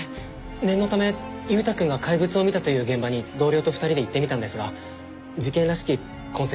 念のため裕太くんが怪物を見たという現場に同僚と２人で行ってみたんですが事件らしき痕跡は何もなくて。